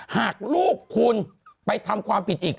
หากลูกคุณไปทำความผิดอีก